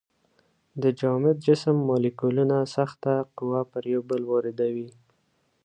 د جامد جسم مالیکولونه سخته قوه پر یو بل واردوي.